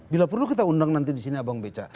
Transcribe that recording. bila perlu kita undang nanti disini abang bca